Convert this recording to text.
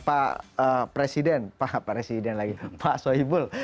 pak presiden pak presiden lagi pak sohibul